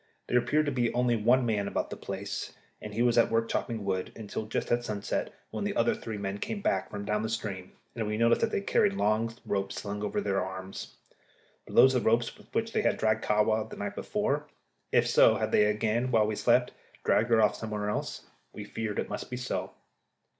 There appeared to be only one man about the place, and he was at work chopping wood, until just at sunset, when the other three men came back from down the stream, and we noticed that they carried long ropes slung over their arms. Were those the ropes with which they had dragged Kahwa the night before? If so, had they again, while we slept, dragged her off somewhere else? We feared it must be so.